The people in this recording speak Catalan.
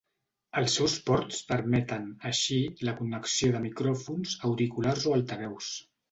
Els seus ports permeten, així, la connexió de micròfons, auriculars o altaveus.